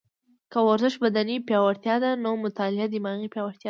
که ورزش بدني پیاوړتیا ده، نو مطاله دماغي پیاوړتیا ده